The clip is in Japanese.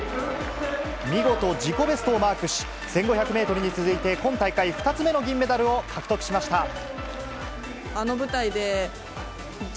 見事自己ベストをマークし１５００ｍに続いて今大会２つ目の銀メダルを獲得しました。